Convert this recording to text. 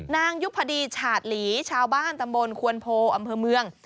นางยุพดีฉาดหลีชาวบ้านตำบลควนโพอำเภอเมือง